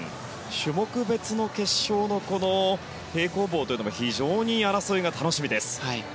種目別の決勝の平行棒というのが非常に争いが楽しみです。